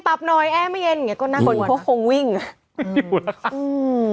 ปรับหน่อยแอร์ไม่เย็นอย่างเงี้ยก็น่ากลงคงวิ่งอ่ะอยู่แล้วค่ะอืม